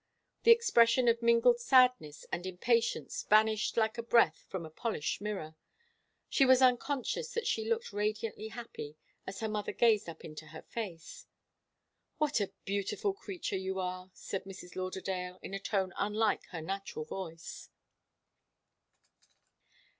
The expression of mingled sadness and impatience vanished like a breath from a polished mirror. She was unconscious that she looked radiantly happy, as her mother gazed up into her face. "What a beautiful creature you are!" said Mrs. Lauderdale, in a tone unlike her natural voice.